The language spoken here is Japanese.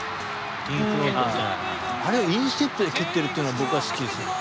あれをインステップで蹴ってるっていうの僕は好きですよ。